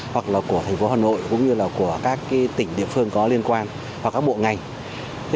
hoặc là của thành phố hà nội cũng như là của các tỉnh địa phương có liên quan hoặc các bộ ngành